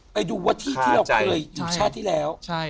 ไปดูว่าที่ที่เราเคยอยู่ชาติที่แล้ว